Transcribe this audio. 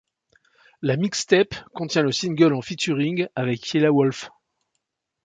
La mixtape contient le single en featuring avec Yelawolf.